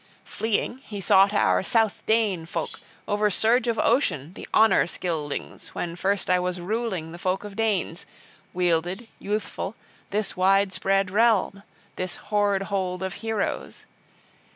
Fleeing, he sought our South Dane folk, over surge of ocean the Honor Scyldings, when first I was ruling the folk of Danes, wielded, youthful, this widespread realm, this hoard hold of heroes.